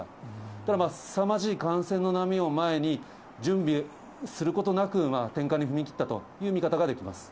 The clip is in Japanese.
ただ、すさまじい感染の波を前に、準備することなく、転換に踏み切ったという見方ができます。